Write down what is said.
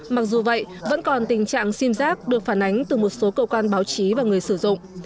mặc dù vậy vẫn còn tình trạng sim giác được phản ánh từ một số cơ quan báo chí và người sử dụng